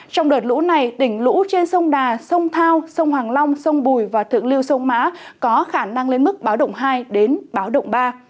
trong đợt lũ này đỉnh lũ trên sông đà sông thao sông hoàng long sông bùi và thượng lưu sông mã có khả năng lên mức báo động hai đến báo động ba